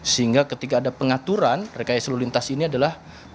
sehingga ketika ada pengaturan rekaya selalu lintas ini adalah